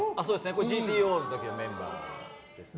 これは「ＧＴＯ」の時のメンバーですね。